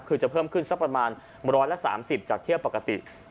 คือจะเพิ่มขึ้นสักประมาณ๑๓๐จากเที่ยวปกติ